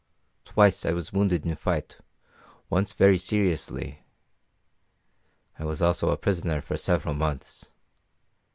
Twice I was wounded in fight, once very seriously. I was also a prisoner for several months.